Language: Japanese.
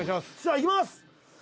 「いきます！」